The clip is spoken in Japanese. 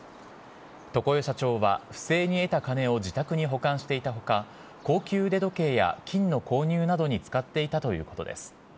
常世社長は、不正に得た金を自宅に保管していたほか、高級腕時計や金の購入などに使っていたということです。